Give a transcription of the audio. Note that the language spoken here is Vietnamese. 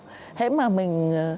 thế mà mình